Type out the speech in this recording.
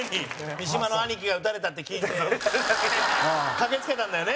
三島の兄貴が撃たれたって聞いて駆けつけたんだよね。